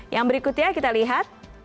yang berikutnya kita lihat